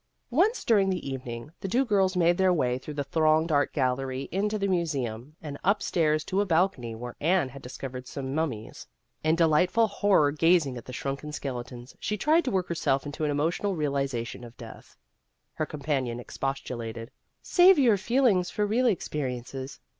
Once during the evening, the two girls made their way through the thronged art gallery into the museum, and up stairs to a balcony where Anne had discovered some mummies. In delightful horror gazing at the shrunken skeletons, she tried to work herself into an emo tional realization of death. Her compan ion expostulated. " Save your feelings for real experiences.